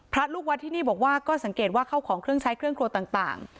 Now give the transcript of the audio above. ลูกวัดที่นี่บอกว่าก็สังเกตว่าเข้าของเครื่องใช้เครื่องครัวต่าง